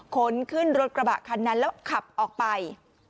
ขนขึ้นรถกระบะคันนั้นแล้วขับออกไป